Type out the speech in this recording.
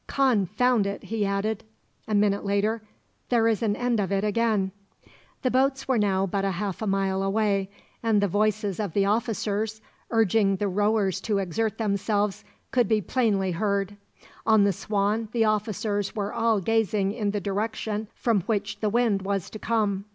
"Confound it!" he added, a minute later. "There is an end of it again." The boats were now but half a mile away, and the voices of the officers, urging the rowers to exert themselves, could be plainly heard, On the Swan the officers were all gazing in the direction from which the wind was to come.